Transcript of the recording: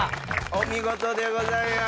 お見事でございます。